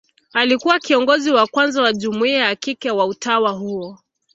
Alikuwa kiongozi wa kwanza wa jumuia ya kike wa utawa huo.